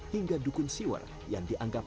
hingga dukun siwer yang dianggap